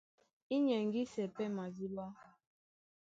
Í nyɛŋgísɛ́ pɛ́ madíɓá.